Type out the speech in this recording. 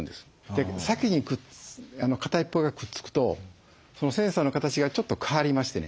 先に片一方がくっつくとそのセンサーの形がちょっと変わりましてね